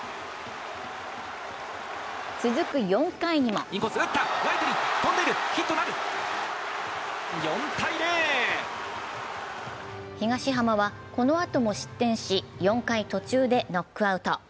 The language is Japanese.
続く４回にも東浜は、このあとも失点し４回途中でノックアウト。